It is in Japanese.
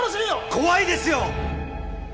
怖いですよ！